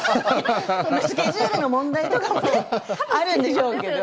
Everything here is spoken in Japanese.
スケジュールの問題とかもあるんでしょうけど。